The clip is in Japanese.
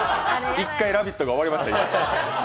１回、「ラヴィット！」が終わりました。